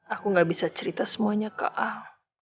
aku tidak bisa cerita semuanya ke al